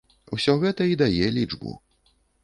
Усё гэта і дае лічбу.